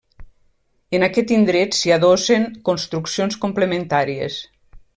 En aquest indret s'hi adossen construccions complementàries.